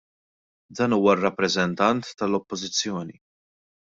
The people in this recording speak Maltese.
Dan huwa r-rappreżentant tal-Oppożizzjoni!